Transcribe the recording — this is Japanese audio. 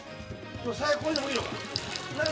最悪これでもいいのか？